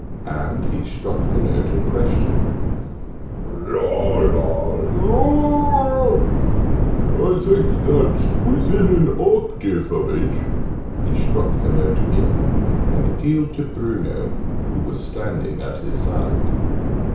And he struck the note in question. "La, la, la! I think that's within an octave of it." He struck the note again, and appealed to Bruno, who was standing at his side.